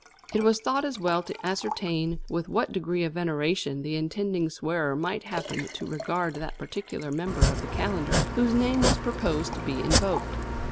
It was thought as well to ascertain with what degree of veneration the intending swearer might happen to regard that particular member of the calendar whose name was proposed to be invoked.